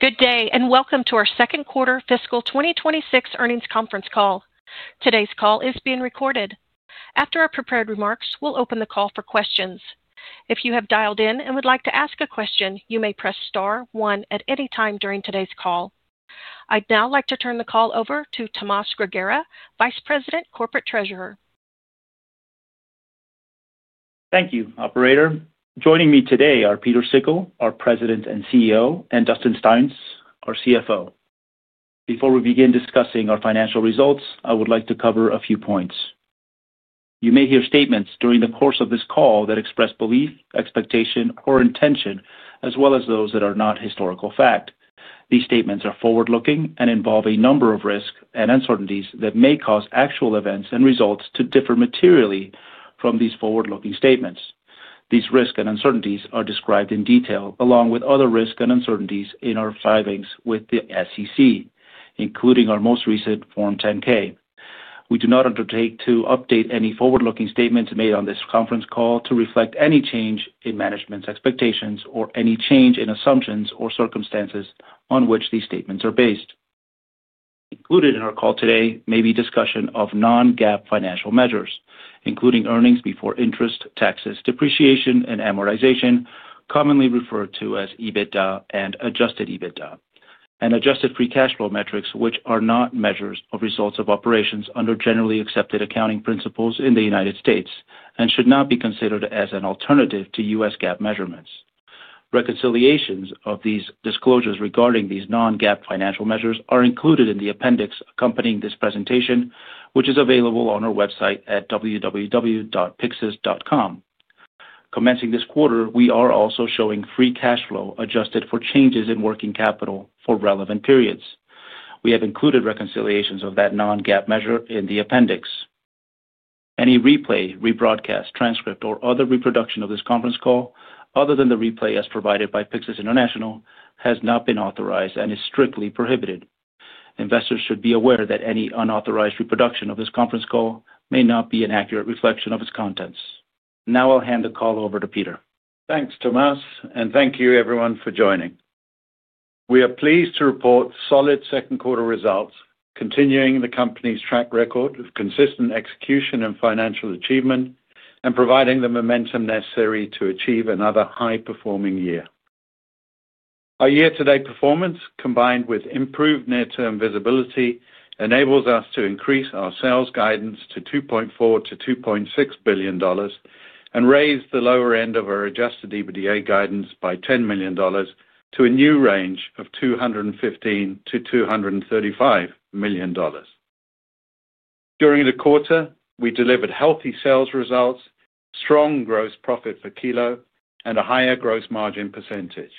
Good day, and welcome to our second quarter fiscal 2026 earnings conference call. Today's call is being recorded. After our prepared remarks, we'll open the call for questions. If you have dialed in and would like to ask a question, you may press star one at any time during today's call. I'd now like to turn the call over to Tomas Grigera, Vice President, Corporate Treasurer. Thank you, Operator. Joining me today are Pieter Sikkel, our President and CEO, and Dustin Styons, our CFO. Before we begin discussing our financial results, I would like to cover a few points. You may hear statements during the course of this call that express belief, expectation, or intention, as well as those that are not historical fact. These statements are forward-looking and involve a number of risks and uncertainties that may cause actual events and results to differ materially from these forward-looking statements. These risks and uncertainties are described in detail, along with other risks and uncertainties in our filings with the SEC, including our most recent Form 10-K. We do not undertake to update any forward-looking statements made on this conference call to reflect any change in management's expectations or any change in assumptions or circumstances on which these statements are based. Included in our call today may be discussion of non-GAAP financial measures, including earnings before interest, taxes, depreciation, and amortization, commonly referred to as EBITDA and adjusted EBITDA, and adjusted free cash flow metrics, which are not measures of results of operations under generally accepted accounting principles in the United States and should not be considered as an alternative to U.S. GAAP measurements. Reconciliations of these disclosures regarding these non-GAAP financial measures are included in the appendix accompanying this presentation, which is available on our website at www.pyxus.com. Commencing this quarter, we are also showing free cash flow adjusted for changes in working capital for relevant periods. We have included reconciliations of that non-GAAP measure in the appendix. Any replay, rebroadcast, transcript, or other reproduction of this conference call, other than the replay as provided by Pyxus International, has not been authorized and is strictly prohibited. Investors should be aware that any unauthorized reproduction of this conference call may not be an accurate reflection of its contents. Now I'll hand the call over to Pieter. Thanks, Tomas, and thank you, everyone, for joining. We are pleased to report solid second quarter results, continuing the company's track record of consistent execution and financial achievement, and providing the momentum necessary to achieve another high-performing year. Our year-to-date performance, combined with improved near-term visibility, enables us to increase our sales guidance to $2.4 billion-$2.6 billion and raise the lower end of our adjusted EBITDA guidance by $10 million to a new range of $215 million-$235 million. During the quarter, we delivered healthy sales results, strong gross profit per kilo, and a higher gross margin percentage.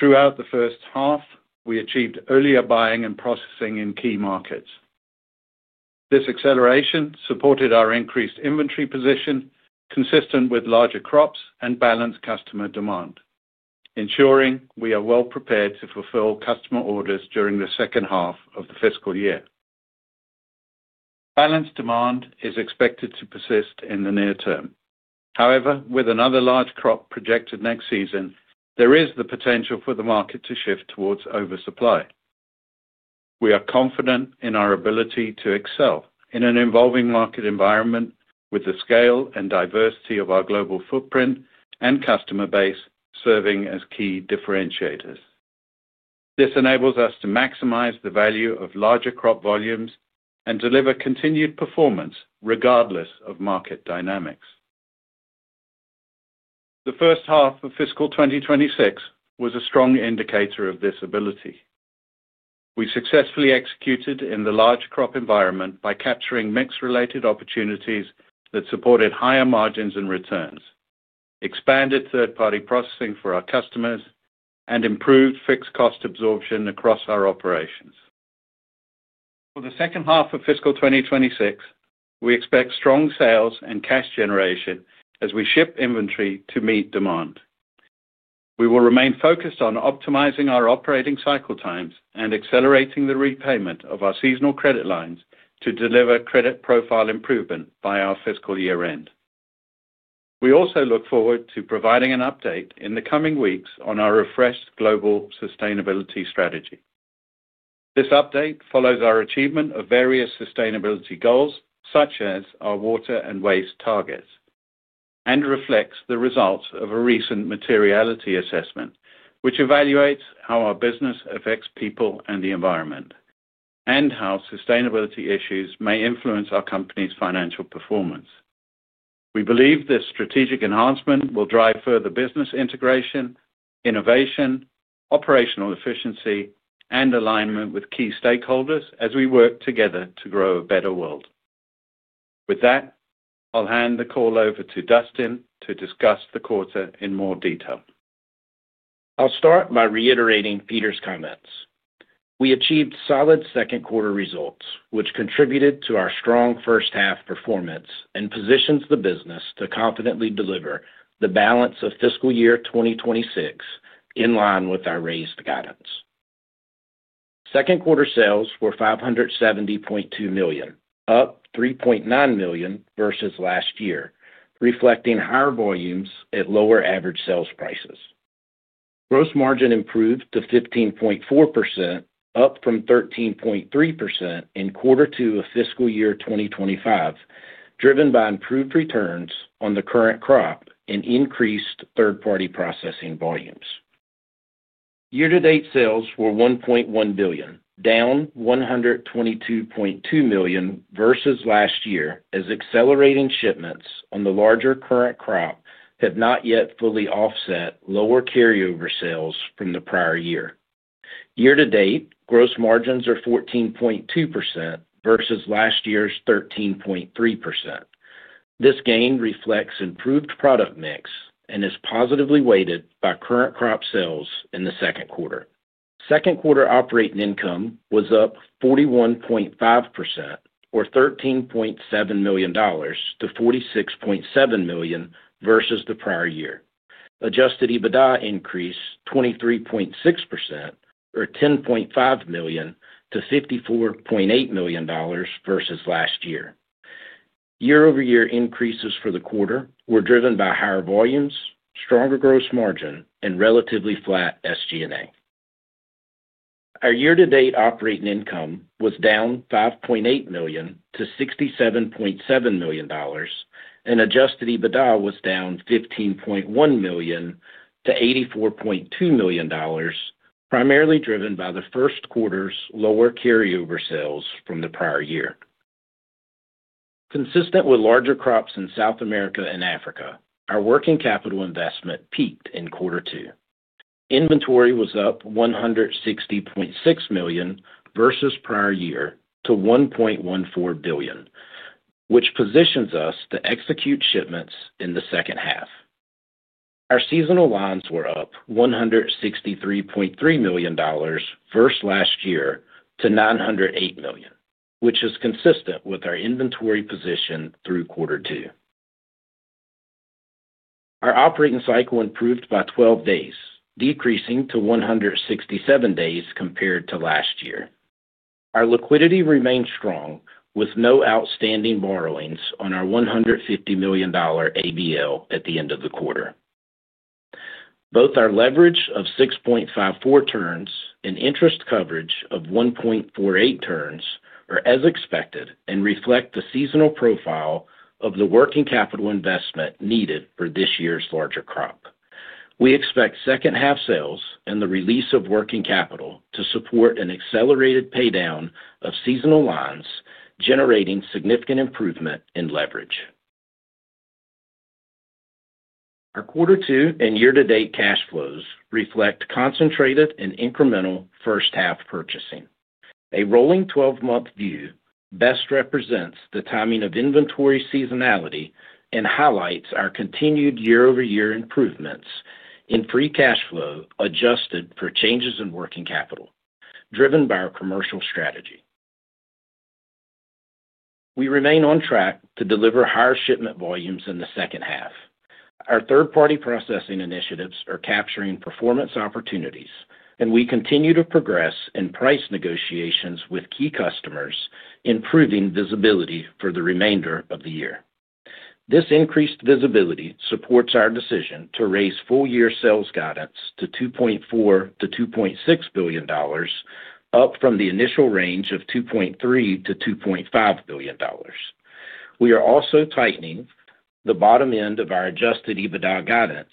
Throughout the first half, we achieved earlier buying and processing in key markets. This acceleration supported our increased inventory position, consistent with larger crops and balanced customer demand, ensuring we are well prepared to fulfill customer orders during the second half of the fiscal year. Balanced demand is expected to persist in the near term. However, with another large crop projected next season, there is the potential for the market to shift towards oversupply. We are confident in our ability to excel in an evolving market environment, with the scale and diversity of our global footprint and customer base serving as key differentiators. This enables us to maximize the value of larger crop volumes and deliver continued performance regardless of market dynamics. The first half of fiscal 2026 was a strong indicator of this ability. We successfully executed in the large crop environment by capturing mix-related opportunities that supported higher margins and returns, expanded third-party processing for our customers, and improved fixed-cost absorption across our operations. For the second half of fiscal 2026, we expect strong sales and cash generation as we ship inventory to meet demand. We will remain focused on optimizing our operating cycle times and accelerating the repayment of our seasonal credit lines to deliver credit profile improvement by our fiscal year-end. We also look forward to providing an update in the coming weeks on our refreshed global sustainability strategy. This update follows our achievement of various sustainability goals, such as our water and waste targets, and reflects the results of a recent materiality assessment, which evaluates how our business affects people and the environment, and how sustainability issues may influence our company's financial performance. We believe this strategic enhancement will drive further business integration, innovation, operational efficiency, and alignment with key stakeholders as we work together to grow a better world. With that, I'll hand the call over to Dustin to discuss the quarter in more detail. I'll start by reiterating Pieter's comments. We achieved solid second quarter results, which contributed to our strong first half performance and positions the business to confidently deliver the balance of fiscal year 2026 in line with our raised guidance. Second quarter sales were $570.2 million, up $3.9 million versus last year, reflecting higher volumes at lower average sales prices. Gross margin improved to 15.4%, up from 13.3% in quarter two of fiscal year 2025, driven by improved returns on the current crop and increased third-party processing volumes. Year-to-date sales were $1.1 billion, down $122.2 million versus last year, as accelerating shipments on the larger current crop have not yet fully offset lower carryover sales from the prior year. Year-to-date, gross margins are 14.2% versus last year's 13.3%. This gain reflects improved product mix and is positively weighted by current crop sales in the second quarter. Second quarter operating income was up 41.5%, or $13.7 million to $46.7 million versus the prior year. Adjusted EBITDA increased 23.6%, or $10.5 million, to $54.8 million versus last year. Year-over-year increases for the quarter were driven by higher volumes, stronger gross margin, and relatively flat SG&A. Our year-to-date operating income was down $5.8 million to $67.7 million, and adjusted EBITDA was down $15.1 million to $84.2 million, primarily driven by the first quarter's lower carryover sales from the prior year. Consistent with larger crops in South America and Africa, our working capital investment peaked in quarter two. Inventory was up $160.6 million versus prior year to $1.14 billion, which positions us to execute shipments in the second half. Our seasonal lines were up $163.3 million versus last year to $908 million, which is consistent with our inventory position through quarter two. Our operating cycle improved by 12 days, decreasing to 167 days compared to last year. Our liquidity remained strong, with no outstanding borrowings on our $150 million ABL at the end of the quarter. Both our leverage of 6.54 turns and interest coverage of 1.48 turns are as expected and reflect the seasonal profile of the working capital investment needed for this year's larger crop. We expect second-half sales and the release of working capital to support an accelerated paydown of seasonal lines, generating significant improvement in leverage. Our quarter two and year-to-date cash flows reflect concentrated and incremental first-half purchasing. A rolling 12-month view best represents the timing of inventory seasonality and highlights our continued year-over-year improvements in free cash flow adjusted for changes in working capital, driven by our commercial strategy. We remain on track to deliver higher shipment volumes in the second half. Our third-party processing initiatives are capturing performance opportunities, and we continue to progress in price negotiations with key customers, improving visibility for the remainder of the year. This increased visibility supports our decision to raise full-year sales guidance to $2.4 billion-$2.6 billion, up from the initial range of $2.3 billion-$2.5 billion. We are also tightening the bottom end of our adjusted EBITDA guidance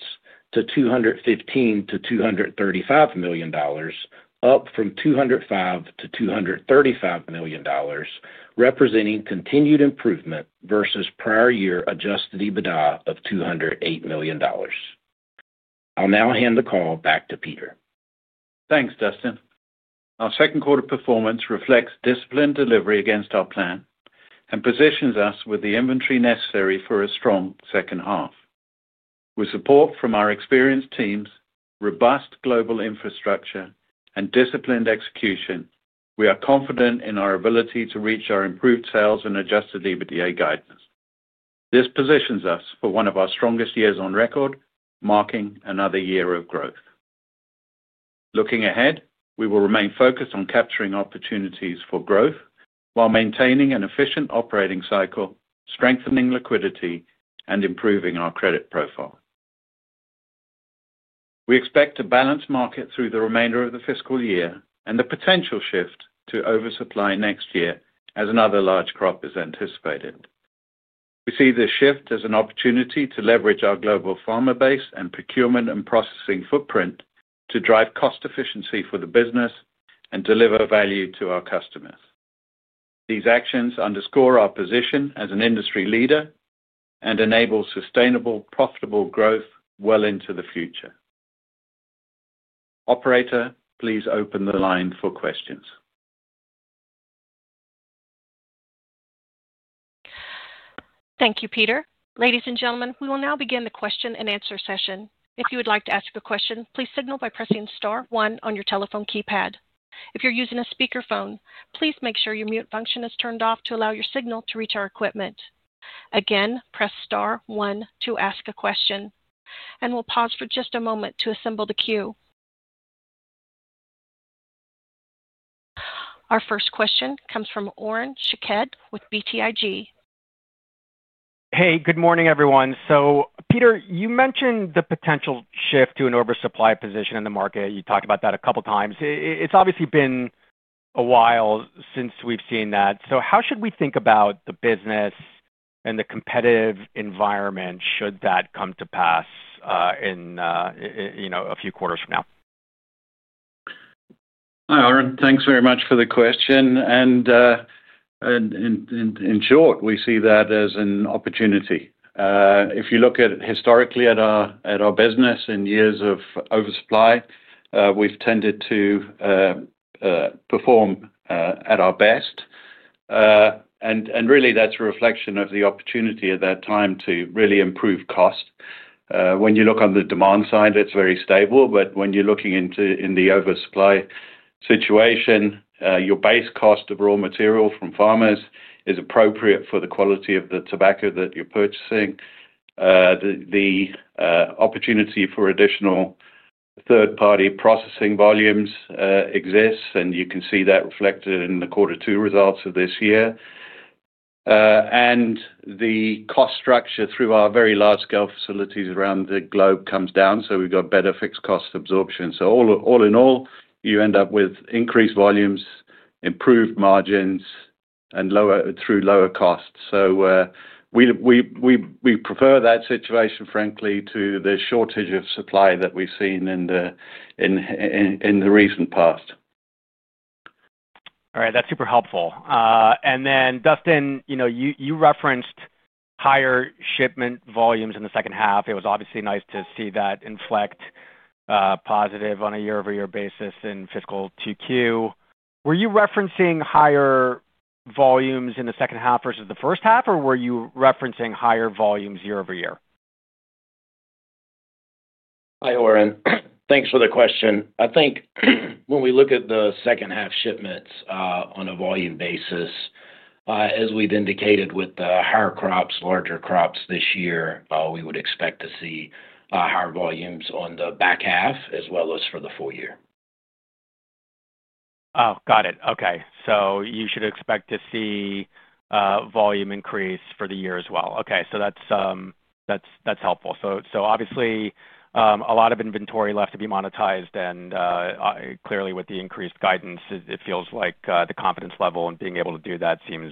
to $215 million-$235 million, up from $205 million-$235 million, representing continued improvement versus prior year adjusted EBITDA of $208 million. I'll now hand the call back to Peter. Thanks, Dustin. Our second quarter performance reflects disciplined delivery against our plan and positions us with the inventory necessary for a strong second half. With support from our experienced teams, robust global infrastructure, and disciplined execution, we are confident in our ability to reach our improved sales and adjusted EBITDA guidance. This positions us for one of our strongest years on record, marking another year of growth. Looking ahead, we will remain focused on capturing opportunities for growth while maintaining an efficient operating cycle, strengthening liquidity, and improving our credit profile. We expect a balanced market through the remainder of the fiscal year and the potential shift to oversupply next year as another large crop is anticipated. We see this shift as an opportunity to leverage our global farmer base and procurement and processing footprint to drive cost efficiency for the business and deliver value to our customers. These actions underscore our position as an industry leader and enable sustainable, profitable growth well into the future. Operator, please open the line for questions. Thank you, Peter. Ladies and gentlemen, we will now begin the question and answer session. If you would like to ask a question, please signal by pressing star one on your telephone keypad. If you're using a speakerphone, please make sure your mute function is turned off to allow your signal to reach our equipment. Again, press star one to ask a question, and we'll pause for just a moment to assemble the queue. Our first question comes from Oren Shaked with BTIG. Hey, good morning, everyone. Pieter, you mentioned the potential shift to an oversupply position in the market. You talked about that a couple of times. It's obviously been a while since we've seen that. How should we think about the business and the competitive environment should that come to pass in a few quarters from now? Hi, Oren. Thanks very much for the question. In short, we see that as an opportunity. If you look historically at our business in years of oversupply, we've tended to perform at our best. That is really a reflection of the opportunity at that time to really improve cost. When you look on the demand side, it's very stable. When you're looking into the oversupply situation, your base cost of raw material from farmers is appropriate for the quality of the tobacco that you're purchasing. The opportunity for additional third-party processing volumes exists, and you can see that reflected in the quarter two results of this year. The cost structure through our very large-scale facilities around the globe comes down, so we've got better fixed-cost absorption. All in all, you end up with increased volumes, improved margins, and through lower costs. We prefer that situation, frankly, to the shortage of supply that we've seen in the recent past. All right. That's super helpful. Then, Dustin, you referenced higher shipment volumes in the second half. It was obviously nice to see that inflect positive on a year-over-year basis in fiscal 2Q. Were you referencing higher volumes in the second half versus the first half, or were you referencing higher volumes year-over-year? Hi, Oren. Thanks for the question. I think when we look at the second-half shipments on a volume basis, as we've indicated with the higher crops, larger crops this year, we would expect to see higher volumes on the back half as well as for the full year. Oh, got it. Okay. You should expect to see volume increase for the year as well. Okay. That is helpful. Obviously, a lot of inventory left to be monetized. Clearly, with the increased guidance, it feels like the confidence level in being able to do that seems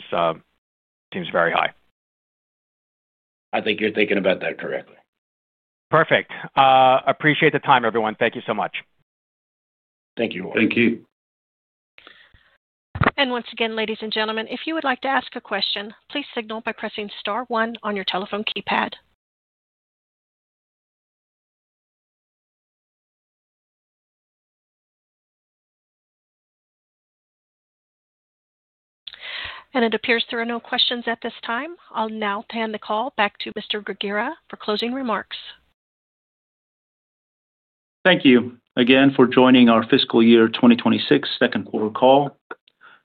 very high. I think you're thinking about that correctly. Perfect. Appreciate the time, everyone. Thank you so much. Thank you. Thank you. Once again, ladies and gentlemen, if you would like to ask a question, please signal by pressing star one on your telephone keypad. It appears there are no questions at this time. I'll now hand the call back to Mr. Grigera for closing remarks. Thank you again for joining our fiscal year 2026 second quarter call.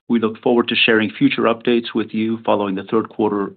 We look forward to sharing future updates with you following the third quarter.